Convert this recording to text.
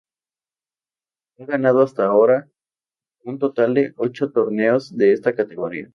Ha ganado hasta ahora un total de ocho torneos de esta categoría.